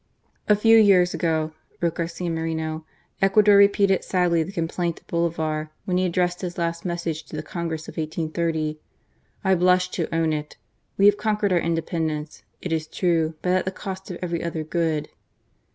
"A few years ago," wrote Garcia Moreno, *^ Ecuador repeated sadly the complaint of Bolivar when he addressed his last message to the Congress of 1830: / blush to own it. We have conquered our independence^ it is true, but at the cost of every other good.